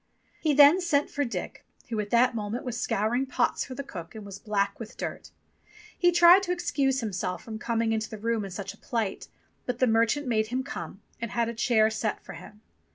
He then sent for Dick, who at the moment was scouring pots for the cook and was black with dirt. He tried to ex cuse himself from coming into the room in such a plight, but the merchant made him come, and had a chair set for him.